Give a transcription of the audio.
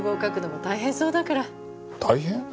大変？